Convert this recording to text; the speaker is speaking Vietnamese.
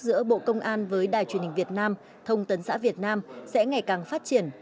giữa bộ công an với đài truyền hình việt nam thông tấn xã việt nam sẽ ngày càng phát triển